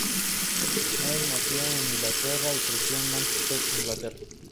Neville nació en Inglaterra, y creció en Manchester, Inglaterra.